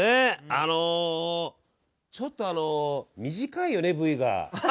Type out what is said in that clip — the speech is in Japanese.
あのちょっとあの短いよねＶが。